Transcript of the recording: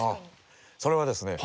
それはですね